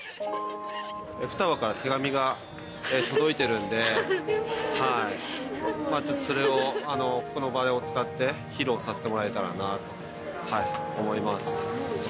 双葉から手紙が届いているのでそれを、この場を使って披露させてもらえたらなと思います。